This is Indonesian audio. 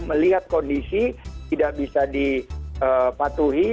melihat kondisi tidak bisa dipatuhi